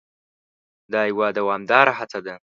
دا یوه دوامداره هڅه ده.